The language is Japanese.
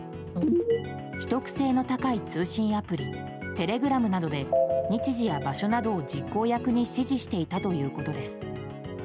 秘匿性の高い通信アプリテレグラムなどで日時や場所などを実行役に指示していたということです。